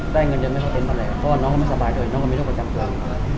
บางคนหัวเขาจะเสี่ยไปน้องเขาไปหออกหมอสั่งพลังการ๓วัน